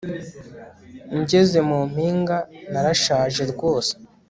Ngeze mu mpinga narashaje rwose